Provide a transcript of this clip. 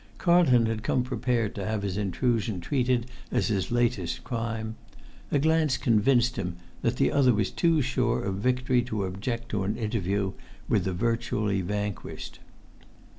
Carlton had come prepared to have his intrusion treated as his latest crime; a glance convinced him that the other was too sure of victory to object to an interview with the virtually vanquished.